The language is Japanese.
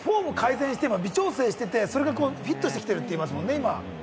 フォームを改善して微調整していて、今フィットしてきているって言いますもんね。